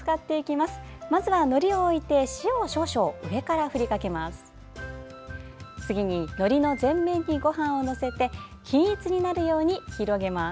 まずはのりを置いて塩を少々、上から振りかけます。